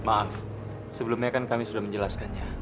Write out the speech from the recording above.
maaf sebelumnya kan kami sudah menjelaskannya